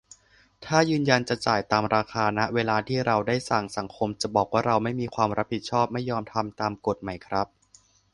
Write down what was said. ถ้ายืนยันจะจ่ายตามราคา ณ เวลาที่เราได้สั่ง สังคมจะบอกว่าเราไม่มีความรับผิดชอบ ไม่ยอมทำตามกฎไหมครับ